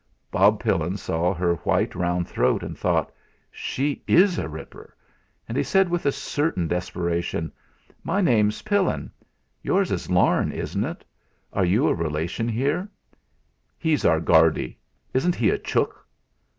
Bob Pillin saw her white round throat, and thought: 'She is a ripper!' And he said with a certain desperation: "My name's Pillin. Yours is Larne, isn't it? Are you a relation here?" "He's our Guardy. Isn't he a chook?"